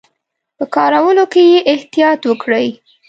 په کارولو کې یې احتیاط وکړي.